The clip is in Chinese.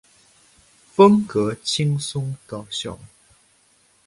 风格轻松搞笑。